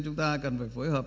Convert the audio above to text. chúng ta cần phải phối hợp